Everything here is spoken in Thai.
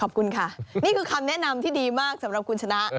ขอบคุณค่ะนี่คือคำแนะนำที่ดีมากสำหรับคุณชนะ